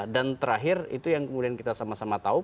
dan terakhir itu yang kemudian kita sama sama tahu